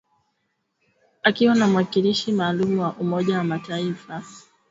Akiwa na mwakilishi maalum wa Umoja wa mataaifa, Volker Perthes